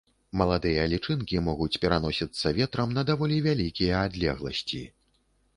Маладыя лічынкі могуць пераносіцца ветрам на даволі вялікія адлегласці.